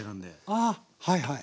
ああはいはい。